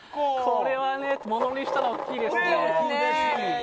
これはものにしたのは大きいですね。